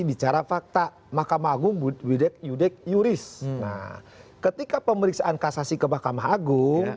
bicara fakta mahkamah agung widek yudek yuris nah ketika pemeriksaan kasasi ke mahkamah agung